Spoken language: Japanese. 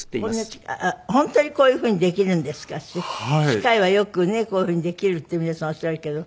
死海はよくねえこういうふうにできるって皆さんおっしゃるけど。